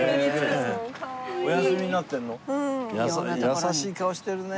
優しい顔してるね。